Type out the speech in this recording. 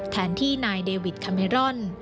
แทนที่นายเดวิดคาเมรอน